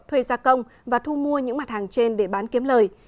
thuê gia công và thu mua những mặt hàng trên để bán kiếm lời